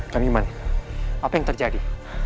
kang iman apa yang terjadi